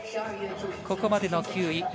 ここまでの９位。